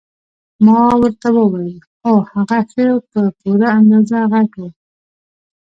ما ورته وویل هو هغه ښه په پوره اندازه غټ وو.